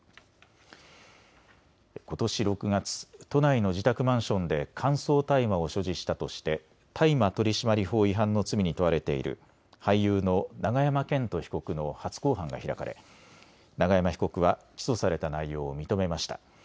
ことし６月、都内の自宅マンションで乾燥大麻を所持したとして大麻取締法違反の罪に問われている俳優の永山絢斗被告の初公判が開かれ永山被告は起訴された内容を認めました。